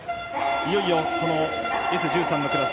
いよいよＳ１３のクラス。